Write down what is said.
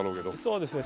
そうですね。